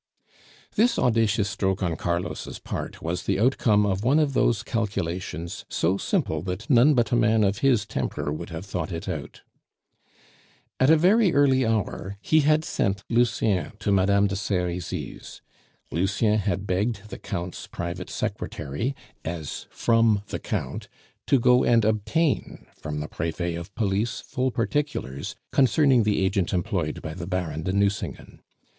This audacious stroke on Carlos' part was the outcome of one of those calculations, so simple that none but a man of his temper would have thought it out. At a very early hour he had sent Lucien to Madame de Serizy's. Lucien had begged the Count's private secretary as from the Count to go and obtain from the Prefet of Police full particulars concerning the agent employed by the Baron de Nucingen.